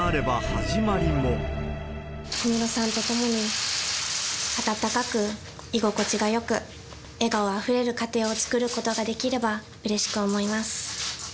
小室さんと共に、温かく、居心地がよく、笑顔あふれる家庭を作ることができれば、うれしく思います。